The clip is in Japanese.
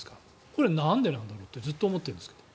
これはなんでなんだろうってずっと思っているんですけど。